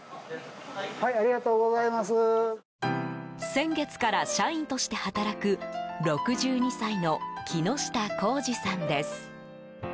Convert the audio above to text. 先月から社員として働く６２歳の木下浩二さんです。